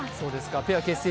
ペア結成